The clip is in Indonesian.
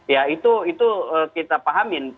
ya itu kita pahamin